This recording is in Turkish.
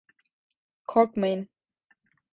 Korkmayın.